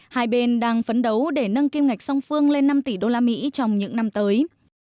hai bên đang phấn đấu để nâng kim ngạch song phương lên năm tỷ đô la mỹ trong những năm tới